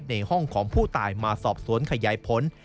ในห้องของผู้ตายมาสอบสวนขยายผล